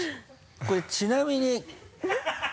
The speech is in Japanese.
これちなみに。